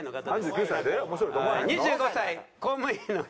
２５歳公務員の方です。